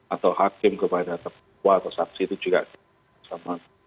atau hakim kepada terdakwa atau saksi itu juga sama